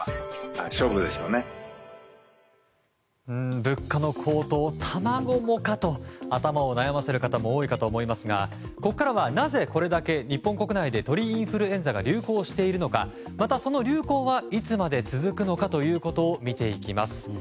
物価の高騰卵もかと頭を悩ませる方も多いかと思いますがここからは、なぜこれだけ日本国内で鳥インフルエンザが流行しているのかまた、その流行はいつまで続くのかということを見ていきます。